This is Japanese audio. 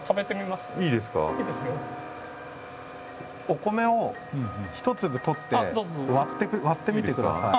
お米を一粒取って割ってみてください。